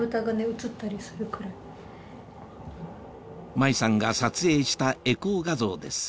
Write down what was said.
麻衣さんが撮影したエコー画像です